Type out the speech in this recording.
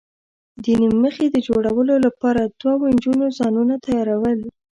د نیم مخي د جوړولو لپاره دوو نجونو ځانونه تیاراول.